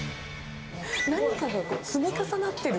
何かが積み重なってる。